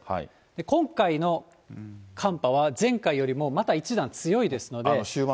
今回の寒波は前回よりもまた一段強いですので。